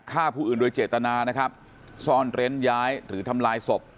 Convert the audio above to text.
ฆ่าผู้อื่นโดยเจตนานะครับซ่อนเร้นย้ายหรือทำลายศพ